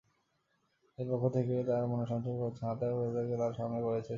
নিজের পক্ষ থেকে তার মধ্যে সঞ্চার করেছেন আত্মা এবং ফেরেশতাদেরকে তার সামনে করিয়েছেন সিজদাবনত।